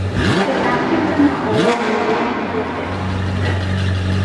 Agnostics are not always merely implicit atheists.